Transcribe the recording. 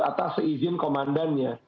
atas izin komandannya